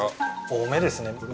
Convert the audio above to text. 多めですね。